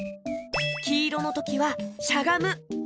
きいろのときはしゃがむ。